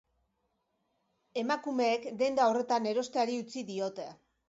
Emakumeek denda horretan erosteari utzi diote.